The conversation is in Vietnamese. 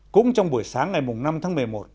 cũng trong buổi sáng ngày năm tháng một mươi một